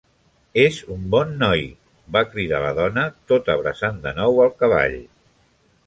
"És un bon noi!" va cridar la dona, tot abraçant de nou al cavall.